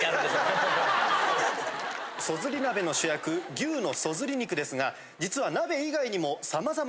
そずり鍋の主役牛のそずり肉ですが実は。